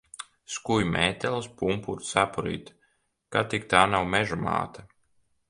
Skuju mētelis, pumpuru cepurīte. Kad tik tā nav Meža māte?